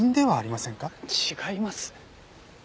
違います。